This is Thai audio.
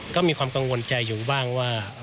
ก็มีความกังวลใจอยู่บ้างว่า